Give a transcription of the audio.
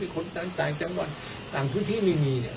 คนต่างจังหวัดต่างพื้นที่ไม่มี